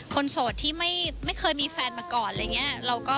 คนโสดที่ไม่เคยมีแฟนมาก่อนหรอกเปล่า